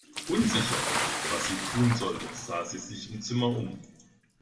Unsicher, was sie tun sollte, sah sie sich im Zimmer um.